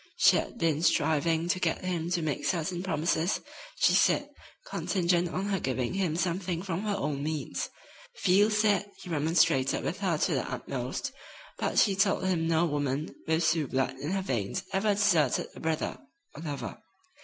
She had been striving to get him to make certain promises, she said, contingent on her giving him something from her own means. Field said he remonstrated with her to the utmost, but she told him no woman with Sioux blood in her veins ever deserted a brother or lover.